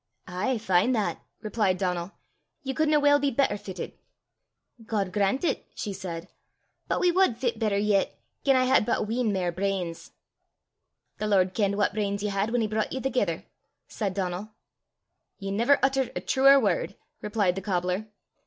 "Ay, fine that," replied Donal. "Ye couldna weel be better fittit." "God grant it!" she said. "But we wad fit better yet gien I had but a wheen mair brains." "The Lord kenned what brains ye had whan he broucht ye thegither," said Donal. "Ye never uttert a truer word," replied the cobbler.